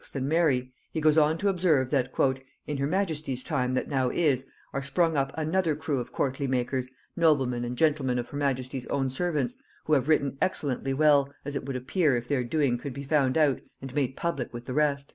and Mary, he goes on to observe that "in her majesty's time that now is, are sprung up another crew of courtly makers, noblemen and gentlemen of her majesty's own servants, who have written excellently well, as it would appear if their doing could be found out and made public with the rest."